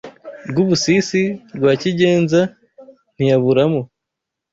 Rwubusisi rwa Kigenza ntiyaburamo